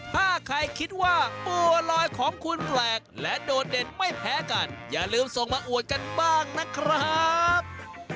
ถ้าใครคิดว่าบัวลอยของคุณแปลกและโดดเด่นไม่แพ้กันอย่าลืมส่งมาอวดกันบ้างนะครับ